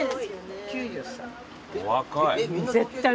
お若い。